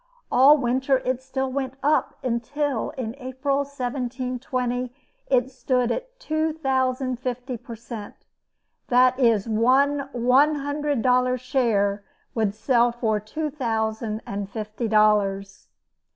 All winter it still went up until, in April 1720, it stood at 2,050 per cent. That is, one one hundred dollar share would sell for two thousand and fifty dollars.